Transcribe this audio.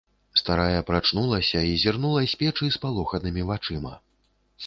Старая прачнулася і зірнула з печы спалоханымі вачыма.